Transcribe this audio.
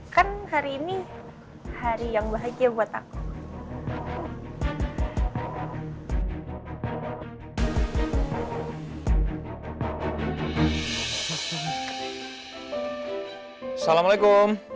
kan hari ini hari yang bahagia buat aku